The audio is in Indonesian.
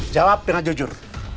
jawab dengan jujur